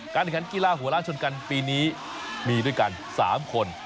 ขันกีฬาหัวล้านชนกันปีนี้มีด้วยกัน๓คน